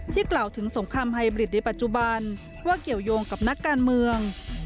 กล่าวถึงสงครามไฮบริดในปัจจุบันว่าเกี่ยวยงกับนักการเมือง